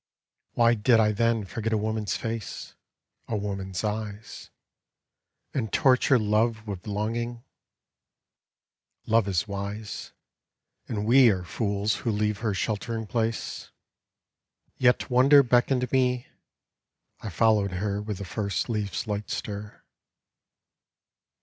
Why did I then forget a woman^s face, A woman's eyes, And torture Love with longing? ... Love is wise. And we are fools who leave her sheltering place. Yet Wonder beckoned me. I followed her With the first leaf's light stir.